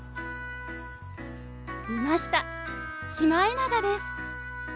いましたシマエナガです。